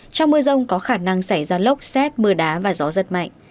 trong mưa rông có khả năng xảy ra lốc xét mưa đá và gió giật mạnh